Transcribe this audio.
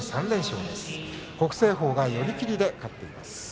３連勝です。